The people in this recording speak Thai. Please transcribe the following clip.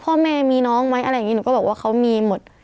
พ่อแม่มีน้องไหมอะไรอย่างนี้หนูก็บอกว่าเขามีหมด